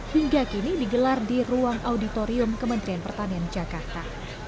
hingga kini digelar di ruang auditorium kementerian pertanian jakarta